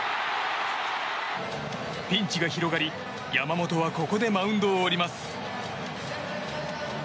ピンチが広がり、山本はここでマウンドを降ります。